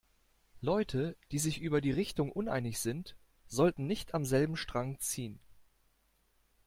Leute, die sich über die Richtung uneinig sind, sollten nicht am selben Strang ziehen.